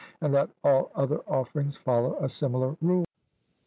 And let all other offerings follow a similar rule.